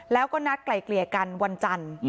แล้วก็นัดไกลเกลี่ยกันวันจันทร์